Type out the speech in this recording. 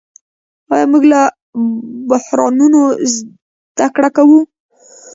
آیا موږ له بحرانونو زده کړه کوو؟